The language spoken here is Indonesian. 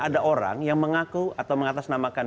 ada orang yang mengaku atau mengatasnamakan